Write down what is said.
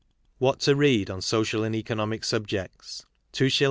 WHAT TO BEAD on Social and Economic Subjects, is.